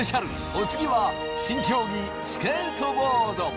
お次は新競技スケートボード。